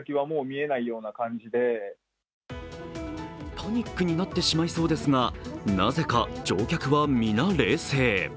パニックになってしまいそうですが、なぜか乗客はみな冷静。